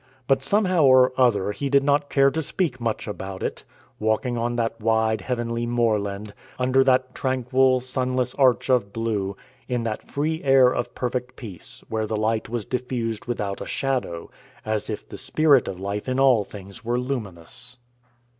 But somehow or other he did not care to speak much about it, walking on that wide heavenly moorland, under that tranquil, sunless arch of blue, in that free air of perfect peace, where the light was diffused without a shadow, as if the spirit of life in all things were luminous.